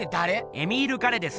エミール・ガレです。